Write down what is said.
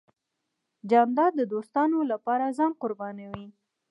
جانداد د دوستانو له پاره ځان قربانوي .